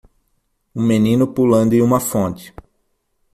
Um menino pulando em uma fonte.